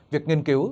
việc nghiên cứu